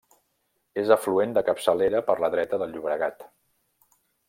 És afluent de capçalera per la dreta del Llobregat.